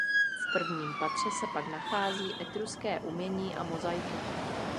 V prvním patře se pak nachází etruské umění a mozaiky.